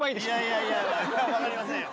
いやいやいやわかりませんよ。